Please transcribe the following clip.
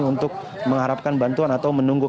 untuk mengharapkan bantuan atau menunggu